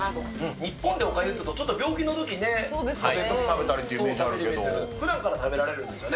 日本でおかゆというと、ちょっと病気のときにね、食べたりっていうイメージあるけど。ふだんから食べられるんでしたね。